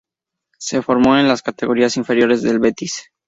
Se formó en las categorías inferiores del Betis.